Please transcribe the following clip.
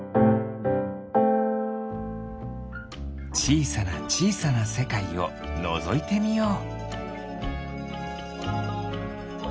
ちいさなちいさなせかいをのぞいてみよう。